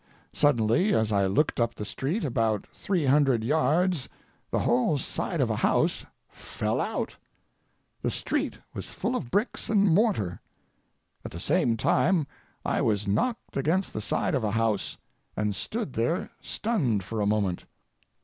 Suddenly as I looked up the street about three hundred yards the whole side of a house fell out. The street was full of bricks and mortar. At the same time I was knocked against the side of a house, and stood there stunned for a moment.